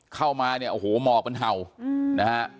เข้ามาเนี่ยโอ้โหหมอกมันเห่านะฮะ